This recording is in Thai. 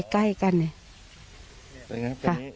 ใกล้กันเลย